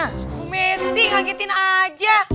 bu messi ngagetin aja